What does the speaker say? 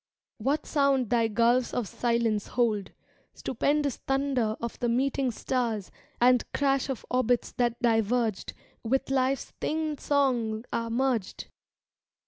What sound thy gulfs of silence hold— Stupendous thunder of the meeting stars And crash of orbits that diverged With Life's thin song are merged!